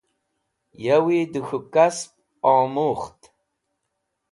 Yavi de K̃hu Kasp Omukht